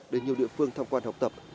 để nhiều địa phương tham quan học tập